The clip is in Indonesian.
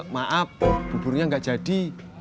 maaf buburnya nggak jadi